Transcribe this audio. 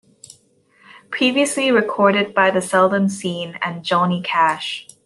Previously recorded by The Seldom Scene, and Johnny Cash.